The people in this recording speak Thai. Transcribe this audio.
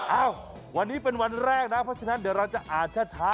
เอ้าวันนี้เป็นวันแรกนะเพราะฉะนั้นเดี๋ยวเราจะอ่านช้า